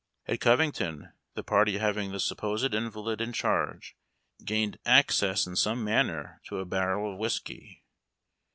At Covington the party having the supposed invalid in charare o ained access in some manner to a barrel of whiskey.